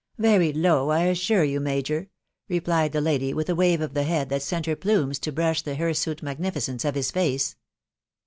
€€ Very low, I assure you, major!" replied the lady, with a wave of the head that sent her plumes to brush, the hirsute magnificence of his face.